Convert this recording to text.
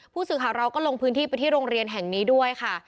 ผู้สื่อข่าวเราก็ลงพื้นที่ไปที่โรงเรียนแห่งนี้ด้วยค่ะ